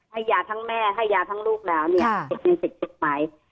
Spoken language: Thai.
ให้ยาทั้งแม่และทั้งลูกแต่เด็กยังติดจุดไหม